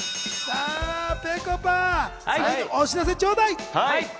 ぺこぱ、お知らせをちょうだい。